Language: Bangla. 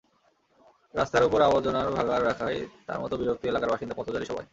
রাস্তার ওপর আবর্জনার ভাগাড় রাখায় তাঁর মতো বিরক্ত এলাকার বাসিন্দা, পথচারী—সবাই।